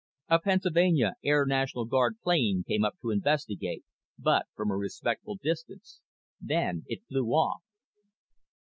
A Pennsylvania Air National Guard plane came up to investigate, but from a respectful distance. Then it flew off.